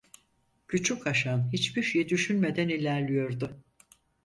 Küçük Haşan hiçbir şey düşünmeden ilerliyordu.